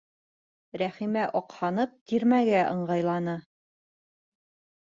Рәхимә аҡһанлап тирмәгә ыңғайланы.